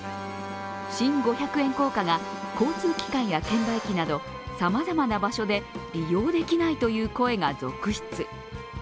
新五百円硬貨が交通機関や券売機などさまざまな場所で利用できないという声が続出。